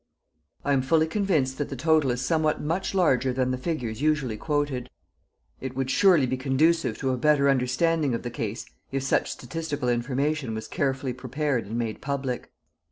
I am fully convinced that the total is somewhat much larger than the figures usually quoted. It would surely be conducive to a better understanding of the case, if such statistical information was carefully prepared and made public.